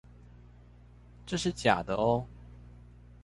這是假的喔